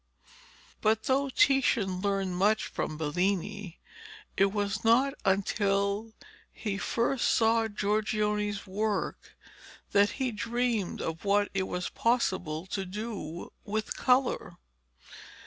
But though Titian learned much from Bellini, it was not until he first saw Giorgione's work that he dreamed of what it was possible to do with colour.